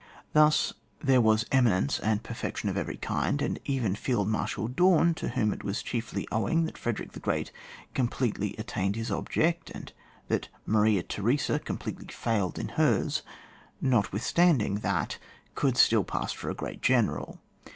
Thus there was emi nence and perfection of every kind, and even Field Marshal Daun, to whom it was chiefly owing that Frederick the Great completely attained his object, and that Maria Theresa completely failed in hers, notwithstanding that could still pass for a great General.